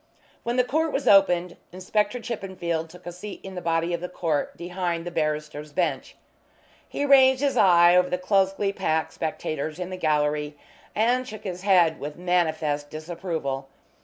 When the court was opened Inspector Chippenfield took a seat in the body of the court behind the barrister's bench. He ranged his eye over the closely packed spectators in the gallery, and shook his head with manifest disapproval.